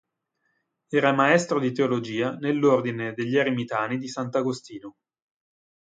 Era maestro di teologia nell'Ordine degli Eremitani di Sant'Agostino.